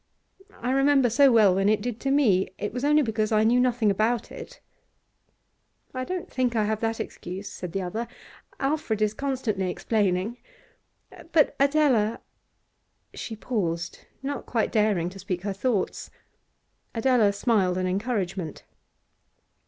I remember so well when it did to me. It was only because I knew nothing about it.' 'I don't think I have that excuse,' said the other. 'Alfred is constantly explaining. But, Adela ' She paused, not quite daring to speak her thoughts. Adela smiled an encouragement.